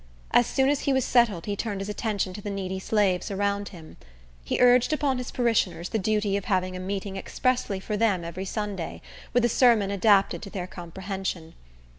As soon as he was settled, he turned his attention to the needy slaves around him. He urged upon his parishioners the duty of having a meeting expressly for them every Sunday, with a sermon adapted to their comprehension.